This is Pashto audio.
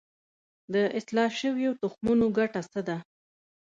د اصلاح شویو تخمونو ګټه څه ده؟